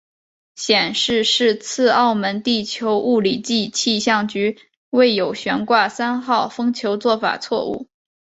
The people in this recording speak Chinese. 显示是次澳门地球物理暨气象局未有悬挂三号风球做法错误。